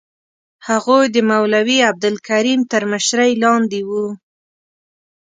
هغوی د مولوي عبدالکریم تر مشرۍ لاندې وو.